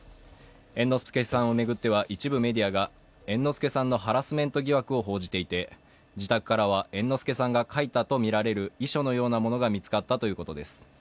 猿之助さんを巡っては、一部メディアが猿之助さんのハラスメント疑惑を報じていて自宅からは猿之助さんが書いたとみられる遺書のようなものが見つかったということです。